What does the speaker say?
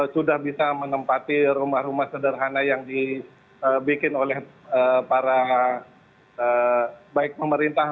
sudah bisa menempati rumah rumah sederhana yang dibikin oleh para baik pemerintah